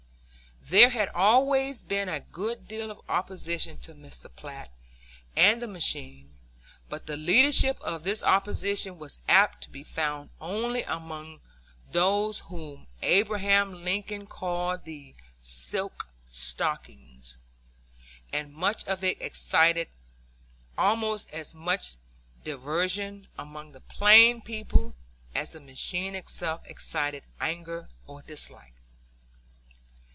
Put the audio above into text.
There had always been a good deal of opposition to Mr. Platt and the machine, but the leadership of this opposition was apt to be found only among those whom Abraham Lincoln called the "silk stockings," and much of it excited almost as much derision among the plain people as the machine itself excited anger or dislike.